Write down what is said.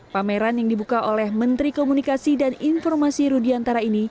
pameran yang dibuka oleh menteri komunikasi dan informasi rudiantara ini